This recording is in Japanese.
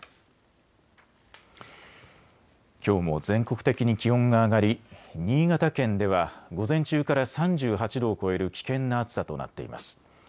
きょうも全国的に気温が上がり新潟県では午前中から３８度を超える危険な暑さとなっています。